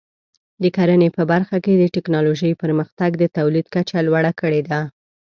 د کرنې په برخه کې د ټکنالوژۍ پرمختګ د تولید کچه لوړه کړې ده.